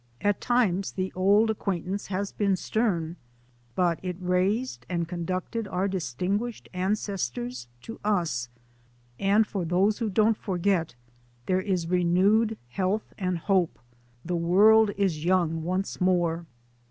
At times the Old Acquaintance has been stern, but it raised and conducted our distinguished ancestors to us, and for those who don't forget there is renewed health and hope — the world is young once more.